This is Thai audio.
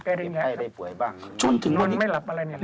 เก็บไข้ได้ป่วยบ้างนอนไม่หลับอะไรเลยครับช่วงถึงวันนี้